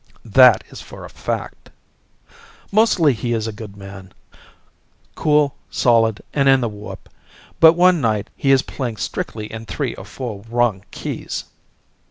That is for a fact. Mostly he is a good man cool, solid, and in the warp. But one night he is playing strictly in three or four wrong keys.